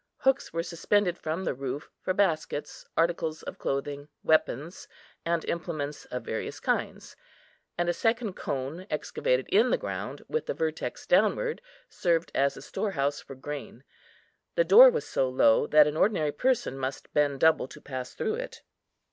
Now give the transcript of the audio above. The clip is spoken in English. Hooks were suspended from the roof for baskets, articles of clothing, weapons, and implements of various kinds; and a second cone, excavated in the ground with the vertex downward, served as a storehouse for grain. The door was so low, that an ordinary person must bend double to pass through it.